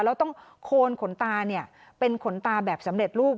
แล้วต้องโคนขนตาเป็นขนตาแบบสำเร็จรูป